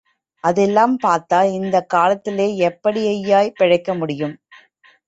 அதெல்லாம் பாத்தா இந்தக் காலத்திலே எப்படியய்யா பிழைக்க முடியும்?